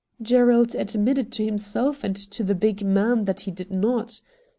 ' Gerald admitted to himself and to the big man that he did not.